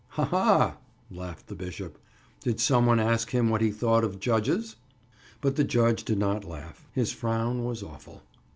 "Ha! ha!" laughed the bishop. "Did some one ask him what he thought of judges?" But the judge did not laugh. His frown was awful.